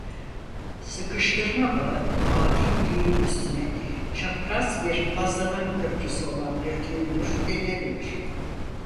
Sıkıştırma bağı Adi düğüm üstüne çapraz bir fazladan köprüsü olan bir düğümdür denilebilir.